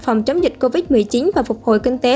phòng chống dịch covid một mươi chín và phục hồi kinh tế